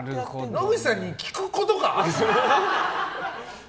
野口さんに聞くことか？